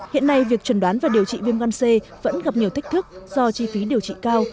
hiện nay việc trần đoán và điều trị viêm gan c vẫn gặp nhiều thách thức do chi phí điều trị cao